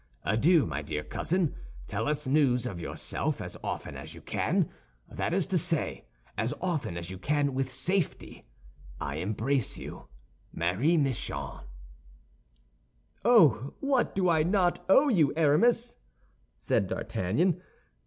"Adieu, my dear cousin. Tell us news of yourself as often as you can; that is to say, as often as you can with safety. I embrace you. "MARIE MICHON" "Oh, what do I not owe you, Aramis?" said D'Artagnan.